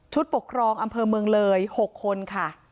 ปกครองอำเภอเมืองเลย๖คนค่ะ